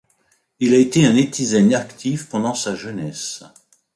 Il a été un netizen actif pendant sa jeunesse.